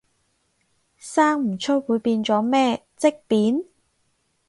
生唔出會變咗咩，積便？